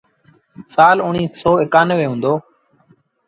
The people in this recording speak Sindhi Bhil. سآل اُڻيٚه سو ايڪآنوي هُݩدو۔